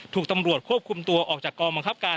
ถูกตำรวจควบคุมตัวออกจากกองบังคับการ